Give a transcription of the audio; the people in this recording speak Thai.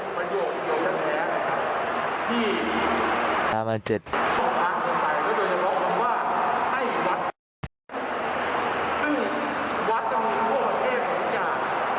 จะสูญจะตามทุกที่เราทำว่าเล่นเป็นตัวหนูก่อนเลยครับ